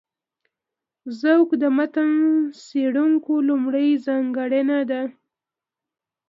ذوق د متن څېړونکي لومړۍ ځانګړنه ده.